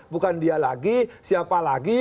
bukan dia lagi siapa lagi